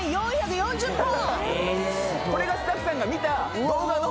これがスタッフさんが見た動画の。